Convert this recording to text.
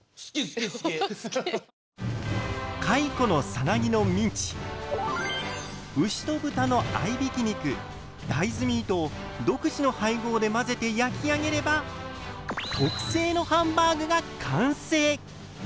かいこのサナギのミンチ牛と豚のあいびき肉大豆ミートを独自の配合で混ぜて焼き上げれば特製のハンバーグが完成！